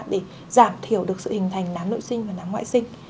để giảm thiểu được sự hình thành nám nội sinh và nắng ngoại sinh